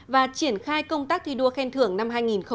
và triển khai công tác thi đua khen thưởng năm hai nghìn một mươi tám